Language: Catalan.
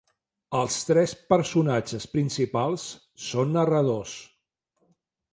Els tres personatges principals són narradors.